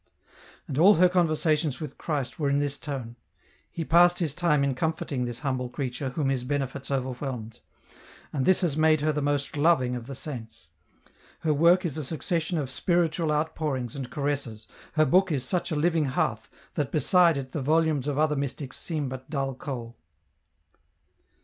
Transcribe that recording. And all her conversations with Christ were in this tone. He passed His time in comforting this humble creature whom His benefits overwhelmed; and this has made her the most loving of the saints ! her work is a succession of spiritual outpourings and caresses , her book is such a living hearth that beside it the volumes of other mystics seem but dull coal.